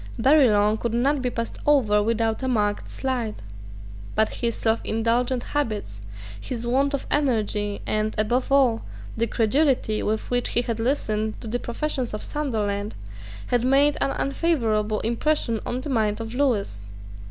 Barillon could not be passed over without a marked slight. But his selfindulgent habits, his want of energy, and, above all, the credulity with which he had listened to the professions of Sunderland, had made an unfavourable impression on the mind of Lewis.